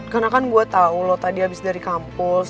karena kan gue tau lo tadi habis dari kampus